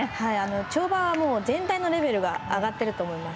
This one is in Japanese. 跳馬は、全体のレベルが上がっていると思います。